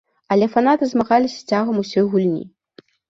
Але фанаты змагаліся цягам усёй гульні.